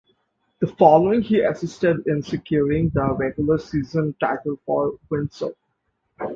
The following he assisted in securing the regular season title for Windsor.